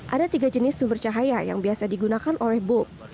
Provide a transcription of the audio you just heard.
ada tiga jenis sumber cahaya yang biasa digunakan oleh book